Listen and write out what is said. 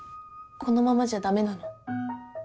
このままじゃダメなの？